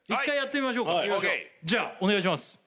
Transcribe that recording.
１回やってみましょうかＯＫじゃお願いします